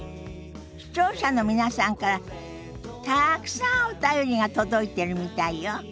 視聴者の皆さんからたくさんお便りが届いてるみたいよ。